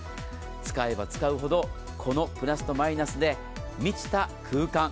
使えば使うほどこのプラスとマイナスで満ちた空間。